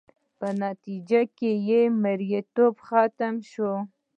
په نتیجه کې یې مریتوب ختم شو.